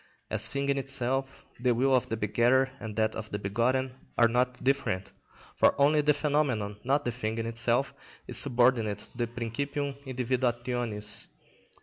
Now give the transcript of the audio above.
As thing in itself, the will of the begetter and that of the begotten are not different, for only the phenomenon, not the thing in itself, is subordinate to the principim individuationis.